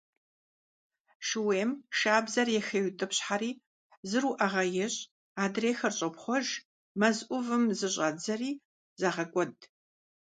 Шууейм шабзэр яхеутӀыпщхьэри зыр уӀэгъэ ещӀ, адрейхэр щӀопхъуэж, мэз Ӏувым зыщӀадзэри, загъэкӀуэд.